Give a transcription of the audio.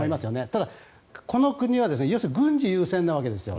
ただ、この国は要するに軍事優先なわけですよ。